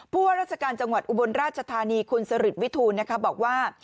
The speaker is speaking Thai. ว่าราชการจังหวัดอุบลราชธานีคุณสริตวิทูลบอกว่า